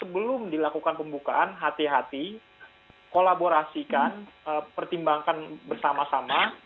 sebelum dilakukan pembukaan hati hati kolaborasikan pertimbangkan bersama sama